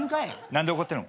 何で怒ってるん？